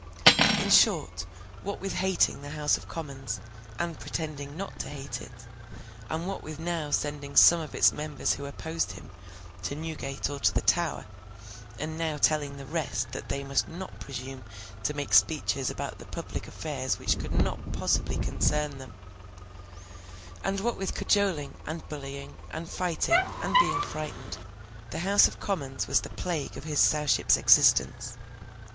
In short, what with hating the House of Commons, and pretending not to hate it; and what with now sending some of its members who opposed him, to Newgate or to the Tower, and now telling the rest that they must not presume to make speeches about the public affairs which could not possibly concern them; and what with cajoling, and bullying, and fighting, and being frightened; the House of Commons was the plague of his Sowship's existence.